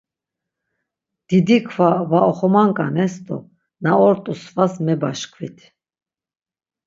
Didi kva var oxomanǩanes do na ort̆u svas mebaşkvit.